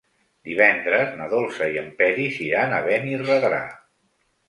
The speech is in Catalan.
Divendres na Dolça i en Peris iran a Benirredrà.